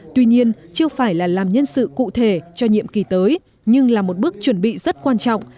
tuy nhiên chưa phải là làm nhân sự cụ thể cho nhiệm kỳ tới nhưng là một bước chuẩn bị rất quan trọng